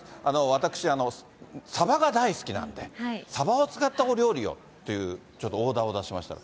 私、サバが大好きなんで、サバを使ったお料理をという、ちょっとオーダーを出しました。